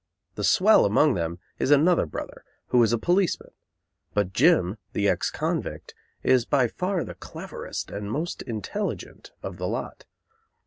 The swell among them is another brother, who is a policeman; but Jim, the ex convict, is by far the cleverest and most intelligent of the lot.